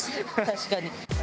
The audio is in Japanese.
確かに。